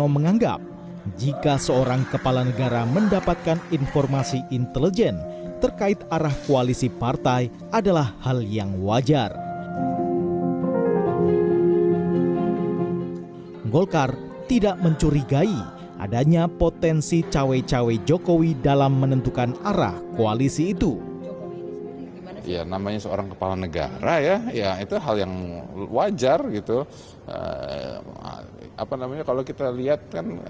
itu namanya seorang kepala negara ya ya itu hal yang wajar gitu apa namanya kalau kita lihat kan